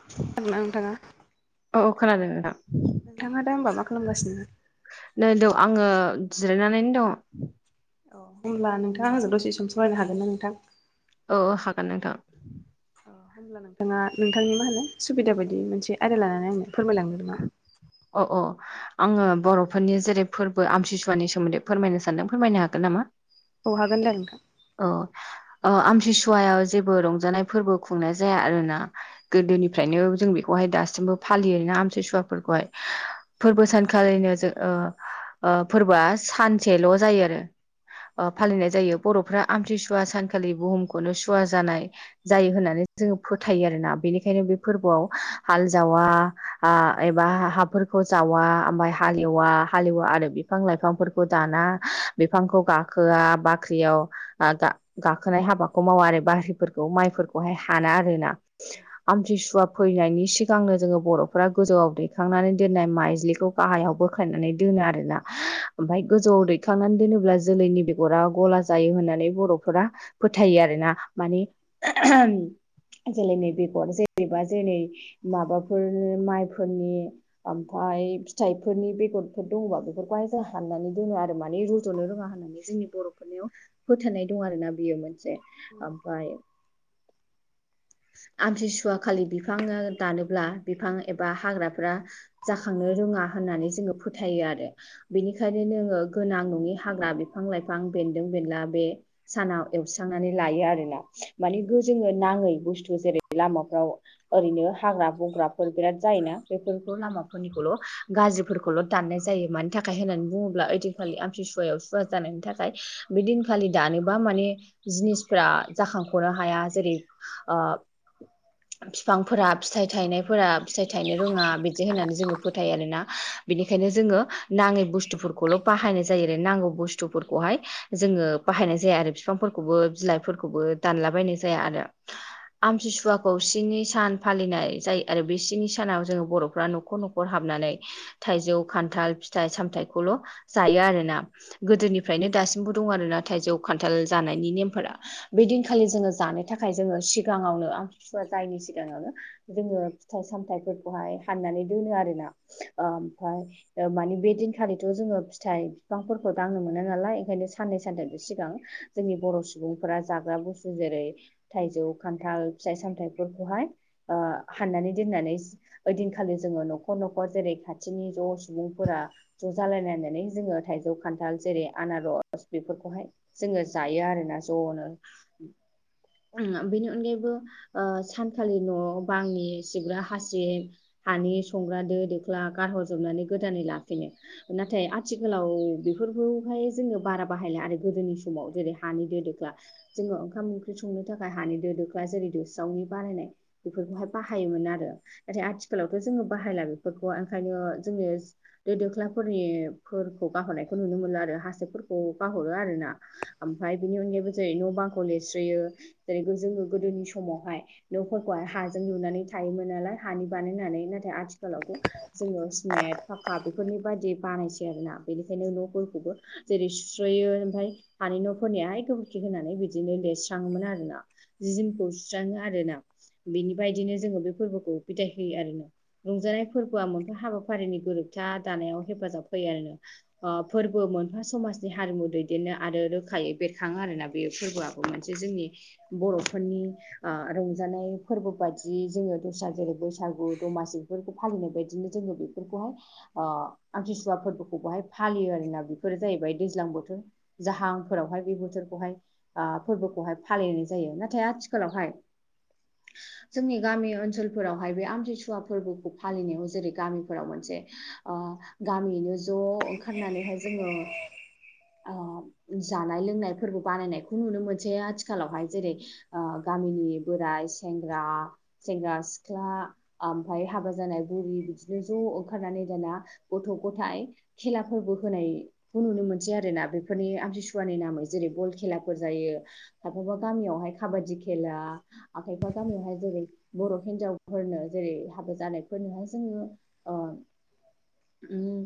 [inaudible] खोनादोना नोंथाङा? औ औ खोनादो नोंथां। नोंथाङा दा ओमबा मा खालामगासिनो? नै द आङो जिरायनानैनो दङ। औ होनोमब्ला नोंथाङा आंजों दसे सम सावरायनो हागोन ना नोंथां? औ हागोन नोंथां होमब्ला नोंथाङा नोंथांनि मा होनो सुबिदा बायदि मोनसे आयदा लानानै आंनो फोरमायलांदों नामा अ अ आङो बर'फोरनि जेरै फोरबो आमथिसुवानि सोमोन्दै फोरमायनो सानदों फोरमायनो हागोन नामा औ हागोन दे नोंथां औ आमतसुवायाव जेबो रंजानाय फोरबो खुंनाय जाया आरोना गोदोनिफ्रायनो जों बेखौहाय दासिमबो फालियोना आमथि सुवाफोरखौहाय फोरबो सानखालिनो जों ओ ओ फोरबोआ सानसेल' जायो आरो ओ फालिनाय जायो बर'फ्रा आमथिसुवा सानखालि बुहुमखौनो सुवा जानाय जायो होननानै जोङो फोथायो आरोना बेनिखायनो बे फोरबोआव हाल जावा हा एबा हाफोरखौ जावा ओमफ्राय हालेवा हालेवा आरो बिफां लाइफांफोर खौ दाना बिफांखौ गाखोआ बाख्रियाव ओ गाखोनाय हाबाखौ मावा आरो बाहारिफोरखौ माइफोरखौहाय हाना आरोना आमथिसुवा फैनायनि सिगांनो जोङो बर' फ्रा गोजौआव दैखांनानै दोननाय माइज्लिखौ गाहायाव बोखायनानै दोनो आरोना ओमफफ्राय गोजौआव दैखांनानै दोनोब्ला जोलैनि बेगरा गला जायो होननानै बर'फोरा फोथायो आरो ना माने जेलै नै बेगर जेनैबा जेरै माबाफोर माइफोरनि ओमफ्राय फिथाइफोरनि बेगरफोर दङबा बेफोरखौहाय जों हाननानै दोनो आरो माने रज'नो रोङा होननानै जोंनि बर'फोरनियाव फोथनाय दं आरोोना बेयो मोनसे ओमफफ्राय आमतसुवा खालि बिफाङा दानोब्ला बिफां एबा हाग्राफ्रा जाखांनो रोङा होननानै जोङो फोथायो आरो बेनिखायनो नोङो गोनां नङि हाग्रा बिफां लाइफां बेन्दों बेनला बे सानाव एवस्रांनानै लायो आरोना माने जोङो नाङै बुस्थु जेरै लामाफ्राव ओरैनो हाग्रा बंग्राफोर बिराद जायोना बेफोरखौ लामाफोरनिखौल' गाज्रिफोरखौल' दाननाय जायो मानि थाखाय होननानै बुङोब्ला ओइदिखालि आमतिसुवायाव सुवा जानायनि थाखाय बे दिनखालि दानोबा माने जिनिफ्रा जाखांख'नो हाया जेरै बिफांफोरा फिथाइ थायनाय फोर फिथाइ थायनो रोङा बिदि होननानै जोङो फोथायो आरोना बिनिखायनो जोङो नाङै बुस्थुफोरखौल' बाहायनाय जायो आरो नांगौ बुस्थुफोरखौहाय जोङो बाहायनाय जाया आरो बिफांफोरखौबो बिलाइफोरखौबो दानलाबायनाय जाया आरो आमथिुसुवाखौ सिनि सान फालिनाय जायो आरो बि सिनि सानाव जोङो बर'फ्रा न'खर न'खर हाबनानै थाइजौ खान्थाल फिथाइ सामथायाइखौल' जायो आरोोना गोदोनिफ्रायनो दासिमबो दं आरो नाथाय जौ खान्थाल जानायनि नेमफोरा बे दिनखालि जोङो जानो थाखाय जोङो सिगाङावनो आमि बिसुवा जायनि सिगाङावनो जोङो फिथाइ सामथायाइफोरखौहाय हाननानै दोनो आरो ना ओमफफ्राय मानि बे दिनखालिथ' जोङो फिथाइ बिफांफोरखौ दांनो मोना नालाय ओंखायनो साननै सानथामो सिगां जोंनि बर' सुबुंफोरा जाग्रा बुस्थु जेरै थाइौ खान्थाल फिथाइ सामथफोरखौहाय हाननानै दोननानै ओइदिनखालि जोङो न'खर न'खर जेरै खाथिनि ज' सुबुंफोरा ज' जालायलायनानै जोङो थाइजौ खान्थाल जेरै आनारस बेफोरखौहाय जोङो जायो आरोना ज'नो बेनि अनगायैबो सानखालि न'आव बांनि सिबग्रा हासिब हानि संग्रा दो दोख्ला गारहरजोबनानै गोदानै लाफिनो नाथाय आथिखालाव बेफोरखौहाय जोङो बारा बाहायला आरो गोदोनि समाव जेरै हानि दो दोख्ला जोङो ओंखाम ओंख्रि संनो थाखाय हानि दो दोख्ला जेरै दोस्रावनि बानायनाय बेफोरखौहाय बाहाय बाहायोमोन आरो नाथाय आथिखालावथ' जोङो बाहायला बेफोरखौ ओंखायनो जोंनि दै दोख्लाफोरनिफोरखौ गाहरनायखौ नुनो मोनो आरो हासिबफोरखौ गाहरो आरोना। ओमफ्राय बिनि अनगायैबो जेरै न' बांखौ लिरस्रोयो। जेरै जोङ गोदोनि समावहाय न'फोरखौहाय हाजों लुनानै थायोमोन नालाय हानि बानायनानै नाथाय आथिखालावथ' जोंनियाव सिमेन्ट फाखा बेफोरनि बायदि बानायसै आरोोना बेनिखायनो न'फोरखौबो जेरै सुस्र'यो ओमफफ्राय हानि न'फोरनियााहाय गोबोरखि होनानै बिदिनो लिरस्राङोमोन आरोना। जि जिोमखौ सुस्राङो आरोोना बिनि बदिनो जोङो बे फोरबोखौ फिथाइ होयो आरो। रंजानाय फोरबोआ मोनफा हाबाफारिनि गोरोबथा दानायाव हेफाजाब होयो आरो। फोरबो मोनफा समाजनि हारिमु दैदेननो आरो रोखायै बेरखाङो आरोना बे फोरबोआ। मोनसे जोंनि बर'फोरनि ओ रंजानाय फोरबो बायदि जि जोङो दस्रा जेरै बैसागु दमासि बेफोरखौ फालिनाय बायदिनो जोङो बेफोरखौहाय ओ आमथिसुवा फोरबोखौ बहाय फालियो आरोना बेफोरो जाहैबाय दैज्लां बोथोर जाहांफोरावहाय बे बोथोरखौहाय ओ फोरबोखौहाय फालिनाय जायो नाथाय आथिखालावहाय जोंनि गामि ओनसोलफोरावहाय बे आमतसुवा फोरबोखौ फालिनायाव जेरै गामिफोराव मोनसे ओ गामियैनो ज' ओंखारनानैहाय जोङो जानाय लोंनायफोरबो बानायनायखौ नुनो मोनसै आथिखालावहाय जेरै ओ गामिनि बोराय सेंग्रा सेंग्रा सिख्ला ओमफ्राय हाबा जानाय बुरि बिदि बि ज' ओंखारनानै दाना गथ' गथायाइ खेलाफोरबो होनाय खौ नुनो मोनसै आरो ना बेफोरनि आमथिसुवानि नामै जेरै बल खेलाफोर जायो। खायफाबा गामियावहाय खाबादि खेला खायफा गामियावहाय जेरै बर' हिन्जावफोरनो जेरै हाबा जानायफोरनोहाय जोङो ओ उम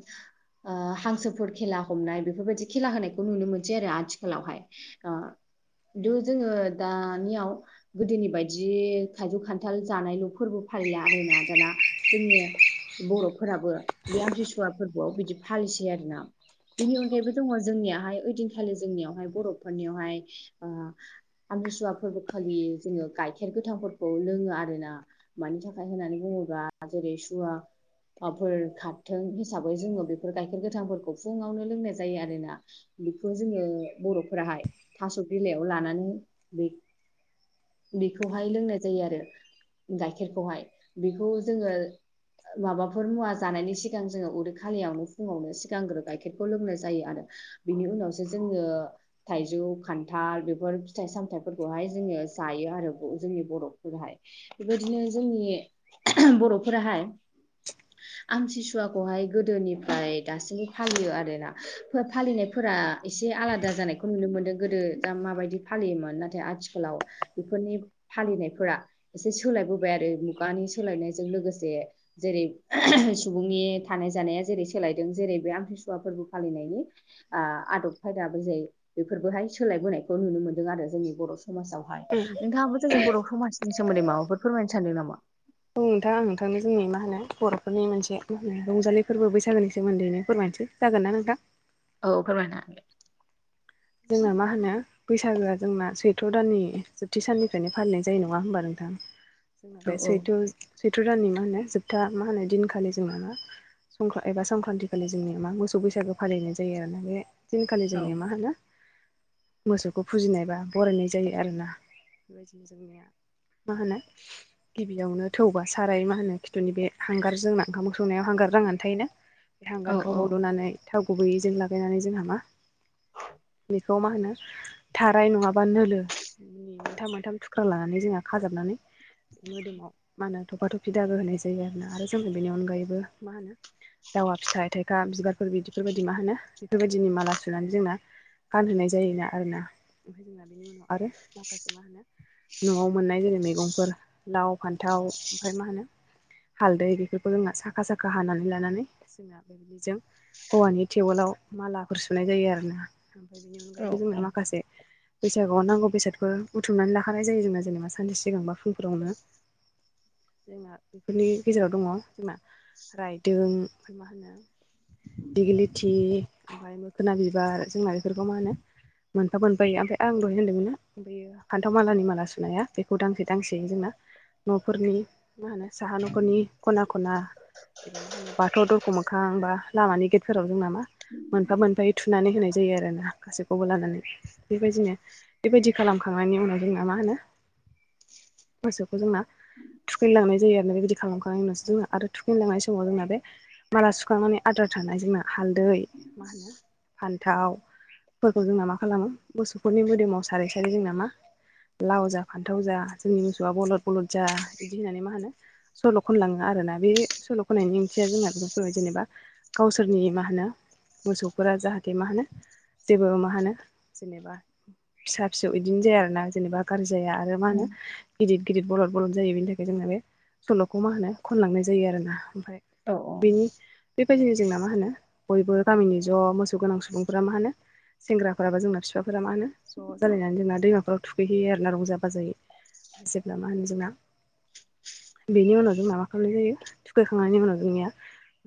ओ हांसोफोर खेला हमनाय बेफोरबायदि खेला होनायखौ नुनो मोनसै आरो आथिखालावहाय। खिन्थु जोङो दानियाव गोदोनि बायदि थाइजौ खान्थाल जानायल' फोरबो फालिला आरोना दाना जोंनिया बर'फोराबो बे आमतसुवा फोरबोआव बिदि फालिसै आरोना। बिनि अनगायैबो दङ जोंनियाहाय ओइदिनखालि जोंनियावहाय बर'फोरनियावहाय ओ आमृिसुवा फोरबो खालि जोङो गाइखेर गोथां फोरबो खौ लोङो आरो ना मानि थाखाय होननानै बुङोबा जेरै सुवा फोर खारथों हिसाबै जोङो बेफोर गाइखेर गोथांफोरखौ फुङावनो लोंनाय जायो आरोना। बेखौ जोङो बर'फोराहाय थास' बिलाइयाव लानानै बे बेखौहाय लोंनाय जायो आरो गाइखेरखौहाय बेखौ जोङो माबाफोर मुवा जानायनि सिगां जोङो उदै खालियावनो फुङावनो सिगांग्रो गाइखेरखौ लोंनाय जायो आरो। बिनि उनावसो जोङो थाइजौ खान्थाल बेफोर फिथाइ सामथाइफोरखौहाय जोङो जायो आरो जोंनि बर' बेबायदिनो जोंनि बर'फोराहाय [inaudible] आमतिसुवाखौहाय गोदोनिफ्राय दासिमबो फालियो आरोना फालिनायफोरा एसे आलादा जानायखौ नुनो मोनदों गोदो दा माबायदि फालियोमोन नाथाय आथिखालाव बेफोरनि फालिनायफोरा एसे सोलायबोबाय आरो मुगानि सोलायनायजों लोगोसे जेरै सुबुंनि थानाय जानाया जेरै सोलायदों जेरै बे आमत्रिसुवा फोरबो फालिनायनि ओ आदब खायदाबो जाय बेफोरबोहाय सोलायबोनायखौ नुनो मोन्दों आरो। जोंनि बर' समाजावहाय औ नोंथाङाबो जोंनि बर' समाजनि सोमोन्दै माबाफोर फोरमायनो सानदों नामा? औ नोंथां आं नोंथांनो जोंनि मा होनो बर'फोरनि मोनसे मा होनो रंजालि फोरबो बैसागोनि सोमोन्दैनो फोरमायनोसै। जागोन ना नोंथां? औ फोरमायनो हागोन दे। जोंना मा होनो? बैसागोआ जोंना सैथ्र' दाननि जोबथि साननिफ्रायनो फालिनाय जायो नङा होनोमबा नोंथां? जोंना औ बे सैथ' सैथ' राननि मा होनो जोबथा मा होनो दिनखालि जोंना मा संख्रा एबा संक्रान्ति खालि जोंनिया मा मोसौ बैसागो फालिनाय जायो आरोोना बे दिनखालि औ जोंनिया मा होनो? मोसौखौ फुजिनायबा बरायनाय जायो आरोना बेबायदिनो जोंनिया मा होनो गिबियावनो थौबा साराय मा होनो खिथुनि बे हांगार जोंना ओंखाम संनायाव हांगार नांनानै थायो ना बे औ हांगारखौ औ हल'नानै थाव गुबैयैजों लागायनानै जोंहा मा बेखौ मा होनो थाराय नङाबा नोलो नि मोनथाम मोनथाम थुख्रा लानानै जोंहा खाजाबनानै मोदोमाव मा होनो थफा-थफा दाबो होनाय जायो आरोना आरो जों बेनि अनगायैबो मा होनो दावा फिथाइ थाइखा बिबारफोर बिदिफोरबायदि मा होनो बेफोरबायदिनि माला सुनानै जोंना गानहोनाय जायो आरोना ओमफ्राय जोंना बेनि उनाव आरो माखासे मा न'आव मोननाय जेरै मैगंफोर लाव फान्थाव ओमफ्राय मा होनो हालदै बेफोरखौ जोंना साखा साखा हानानै लानानै जोङो बेबायदि जों औवानि टेबोलाव मालाफोर सुनाय जायो आरो ना ओमफ्राय बेनि औ अनगायैबो औ जोंना माखासे बैसागुआव नांगौ बेसादखौ बुथुमनानै लाखानाय जायो जोंना जेनेबा सानसे सिगांबा फुंफोरावनो जोंना बेफोरनि गेजेराव दङ जोंना रायदों ओमफ्राय मा होनो दिगलिथि ओमफ्राय मोखोना बिबार जोंना बेफोरखौ मा होनो मोनफा मोनफायै ओमफ्राय आं दहाय होन्दोंमोन ना बेयो फान्थाव मालानि माला सुनाया बेखौ दांसे दांसेयैनो जोंना न'फोरनि मा होनो साहा न'फोरनि खना-खना एबा मा होनो बाथौ दरख' मोखां बा लामानि गेटफोराव जोंना मा मोनफा मोनफायै थुनानै होनाय जायो आरो ना गासैखौबो लानानै बेबायदिनो बेबायदि खालामखांनायनि उनाव जोंना मा होनो मोसौखौ जोंना थुखैेनलांनाय जायो आरो बेबायदि खालामखांनायनि उसो जोङो आरो थुखैेनलांनाय समाव जोंना बे माला सुखांनानै आदार थानाय जोंना हालदै मा होनो फान्थाव फोरखौ जोंना मा खालामो गोसौफोरनि मोदोमाव सारै-सारै जोंना मा लाव जा फान्थाव जा जोंनि मोसौआ बलद बलद जा बिदि होननानै मा होनो सल' खनलाङो आरोना बे सल' खननायनि ओंथिया जोंना बेफोर जेनेबा गावसोरनि मा होनो मोसौफोरा जाहाथे मा होनो जेबो मा होनो जेनेबा फिसा फिसौ बिदिनो जाया आरोना जेनेबा गाज्रि जाया आरो मा औ होनो गिदिर गिदिर बलद बलद जायो बिनि थाखाय जोंना बे सल'खौ मा होनो खनलांनाय जायो आरोना ओमफ्राय औ बेनि बेबायदिनो जोंना मा होनो बयबो गामिनि ज' मोसौ गोनां सुबुंफोरा मा होनो सेंग्राफोराबो जोंना बिफाफोरा मा होनो ज' जालायनानै जोंना दैमाफोराव थुखैहैयो आरोना रंजा बाजायै जेब्ला मा होनो जोंना बेनि उनाव जोंना मा खालामनाय जायो थुखायखांनायनि उनाव जोंनिया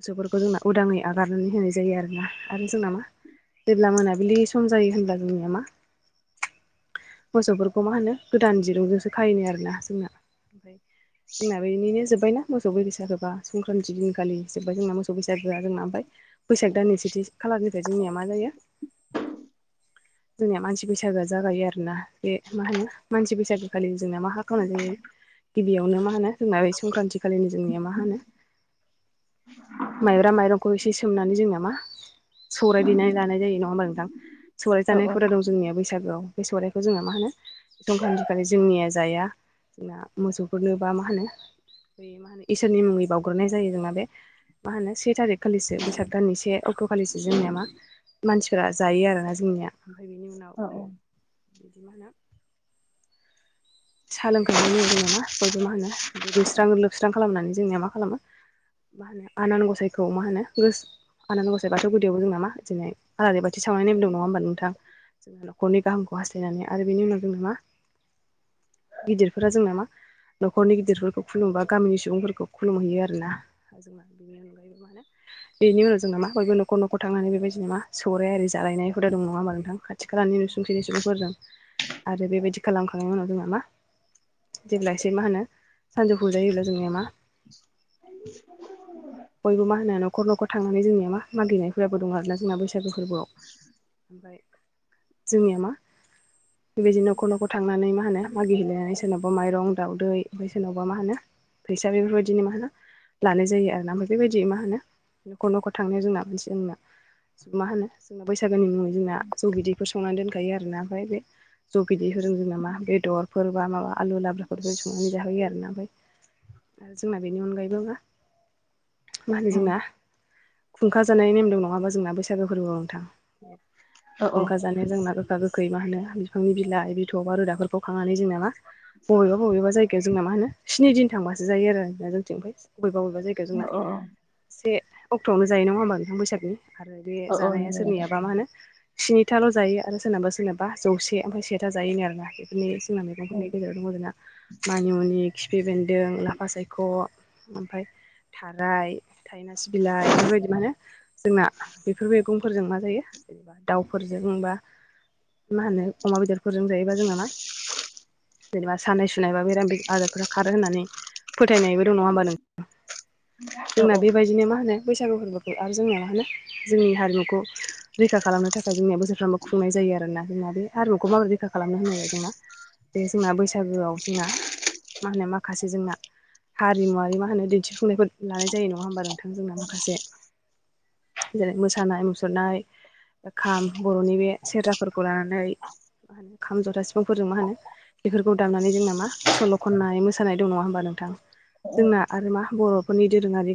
मोसौफोरखौ जोंना उदाङै आगारनानै होनाय जायो आरोना आरो जोंना मा जेब्ला मोनाबिलि सम जायो होनब्ला जोंनिया मा मोसौफोरखौ मा होनो गोदान जिरुंजोंसो खायनो आरोना जोंना ओमफ्राय जोंना बेनिनो जोब्बायना मोसौ बैैसागोबा संक्रान्ति दिनखालि जोबबाय जोंना मोसौ बैसागोआ जोंना ओमफ्राय बैसाग दाननि सेथि खालारनिफ्राय जोंनिया मा जायो [inaudible] जोंनिया मानसि बैसागोआ जागायो आरोना बे मा होनो मानसि बैसागो खालि जोंनाया मा खालामनाय जायो गिबियावनो मा होनो जोंना संक्रान्ति खालिनि जोंनिया मा होनो माइब्रा माइरंखौ एसे सोमनानै जोंना मा सौराय देनानै जानाय जायो नङा होमबा नोंथां सौराय औ जानायफोर हुदा दं जोंनिया बैसागोआव बे सौरायखौ जोङो मा होनो संख्रान्थिखालि जोंनिया जाया जोंना मोसौफोरनो बा मा होनो बे मा होनो इसोरनि मुङै बावग्रोनाय जायो जोंना बे मा होनो से थारिख खालिसो बैसाग दाननि से अक्ट' खालिसो जोंनिया मा मानसिफोरा जायो आरोना जोंनिया ओमफ्राय बिनि उनाव औ बिदि मा होनो साह लोंखांनायनि उनाव जोंना मा बयबो मा होनो दुगैस्रां लोबस्रां खालामनानै जोंनिया मा खालामो मा होनो आनान गसाइखौ मा होनोस आनान गसाइ बाथौ गुदियावबो जोंना मा दिदिनै आलारि बाथि सावनाय नेमदों नङा होमबा नोंथां जों नखरनि गाहखौ हास्थायनानै आरो बेनि उनाव जोंना मा गिदिरफोरा जों नामा न'खरनि गिदिरफोरखौ खुलुमोबा गामिनि सुबुंफोरखौ खुलुमहैयो आरो ना जोंना बेनि अनगायैबो माने बेनि उनाव जों नामा बयबो न'खर न'खर थांनानै बेबायदि नामा सौराय आरि जालानाय हुदा दं नङा होनबा नोंथां खाथि खाथि खालानि नुसुंसेनि सुबुंफोरजों आरो बेबायदि खालामखांनायनि उनाव जों नामा जेब्ला एसे मा होनो सानजौफु जायोब्ला जोंनिया मा बयबो मा होनो नखर नखर थांनानै जोंनिया मा मागिनायफोराबो दं आर ना जोंना बे बैसागो फोरबोआव ओमफ्राय जोंनिया मा बेबायदि न'खर न'खर थांनानै मा होनो मागि हेलायनानै सोरनावबा माइरं दाावदै ओमफ्राय सोरनावबा मा होनो फैसा बेफोरबायदिनो मा होनो लानाय जायो आरोा ओमफ्राय बेबायदि मा होनो न'खर न'खर थांनायाव जोंना मोनसे जोंना ग मा होनो जोंना बैसागोनि मुङै जोंना जौ बिदैखौ संनानै दोनखायो आरोना ओमफ्राय बे ज' बिदै होदों जों नामा बेदरफोरबा माबा आलु लाब्राखौ सङो मनानै जाहोयो आरोना ओमफ्राय आरो जोंना बेनि अनगायैबो मा मा होनो जोंना खुंखा जानाय नेम दं नङाबा जोंना बैसागो फोरबोआव नोंथां औ खुंखा जानाया जोंना गोखा गोखै मा होनो बिफांनि बिलाइ बि थ'बा रोदाफोरखौ थांनानै जोंना मा बबेबा बबेबा जायगायाव ना मा होन स्नि दिन थांबासो जायो आरोना जोंथिं बबेबा बबेबा जायगा जोंना से अक्ट'आवनो जायो नङा होमबा नोंथां बैसागनि आरो बे औ जानाया नंगौ नोंथां सोरनियाबा मा होनो स्निथाल' जायो आरो सोरनाबा सोरनाबा जौसे ओमफ्राय सेथा जायोन आरोना बेफोरनि जोंना मैगंफोरनि औ गेजेराव द जोंना मानिमुनि खिफि बेन्दों लाफा सायख' ओमफ्राय थानाय थायना सि बिलाइ बेफोरबायदि मा होनो जोंना बेफोर मैगंफोरजों मा जायो जेनेबा दाउफोरजों बा मा होनो अमा बेदरफोरजों जायोबा जों नामा [inaudible] जेनेबा सानाय सुनाय बा बेराम बे आजारफोरा खारो होननानै फोथायनायबो दङ नङ होमबा नों जोंना औ बेबायदिनो मा होनो बैसागु फोरबोखौ आरो जोंना मा होनो जोंनि हारिमुखौ रैखा खालामनो थाखाय जोंनि बोसोरफ्रोमबो खुंनाय जायो आरोना जोंना बे आरिमुखौ माबोरै रैखा खालामनो होनोबा जोंना बेे जोंना बैसागोआव जोंना मा होनो माखासे जोंना हारिमुवारि मा होनो दिन्थिफुंनायखौ लानाय जायो नङा होमबा नों बिथां जोंना माखासे जेरै मोसानाय मुसुरनाय खाम बर'नि बे सेरजाफोरखौ लानानै मा होनो खाम जथासे बिफांफोरजों मा होनो बेफोरखौ दामनानै जोंना मा सल' खननाय मोसानाय दं नङा होनोबा नोंथां औ औ जोंना आरो मा बर'फोरनि दोरोङारि गान